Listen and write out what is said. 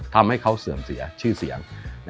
ทำให้เขาเสื่อมเสียชื่อเสียง